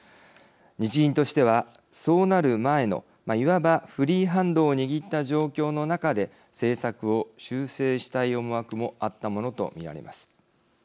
日銀としてはそうなる前の、いわばフリーハンドを握った状況の中で政策を修正したい思惑もあったものと見られます。